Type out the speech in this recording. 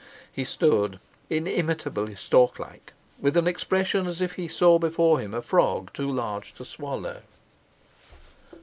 He stood, inimitably stork like, with an expression as if he saw before him a frog too large to swallow.